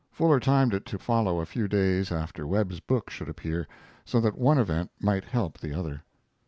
Fuller timed it to follow a few days after Webb's book should appear, so that one event might help the other.